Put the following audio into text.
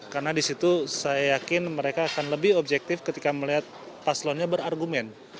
karena di situ saya yakin mereka akan lebih objektif ketika melihat paslonnya berargumen